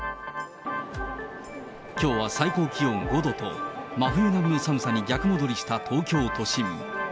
きょうは最高気温５度と、真冬並みの寒さに逆戻りした東京都心。